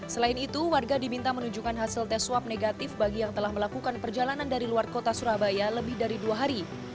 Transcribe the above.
selain itu warga diminta menunjukkan hasil tes swab negatif bagi yang telah melakukan perjalanan dari luar kota surabaya lebih dari dua hari